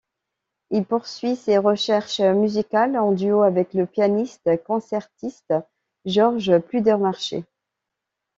Il poursuit ses recherches musicales en duo avec le pianiste concertiste Georges Pludermacher.